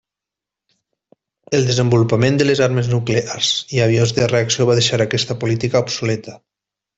El desenvolupament de les armes nuclears i avions de reacció va deixar aquesta política obsoleta.